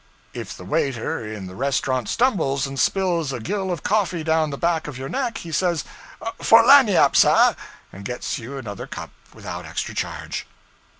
If the waiter in the restaurant stumbles and spills a gill of coffee down the back of your neck, he says 'For lagniappe, sah,' and gets you another cup without extra charge.